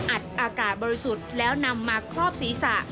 อัดอากาศบริสุทธิ์แล้วนำมาครอบศีรษะ